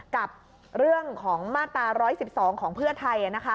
กับเรื่องของมาตรา๑๑๒ของเพื่อไทย